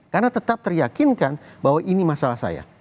karena tetap teryakinkan bahwa ini masalah saya